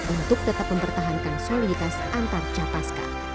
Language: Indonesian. untuk tetap mempertahankan soliditas antar capaska